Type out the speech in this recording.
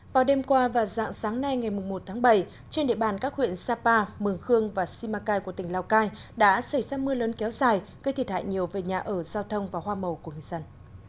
vào đêm qua và dạng sáng nay ngày một tháng bảy trên địa bàn các huyện sapa mường khương và simacai của tỉnh lào cai đã xảy ra mưa lớn kéo dài gây thiệt hại nhiều về nhà ở giao thông và hoa màu của người dân